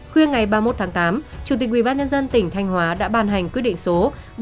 khuya ngày ba mươi một tháng tám chủ tịch ubnd tỉnh thanh hóa đã ban hành quyết định số ba nghìn ba trăm chín mươi bảy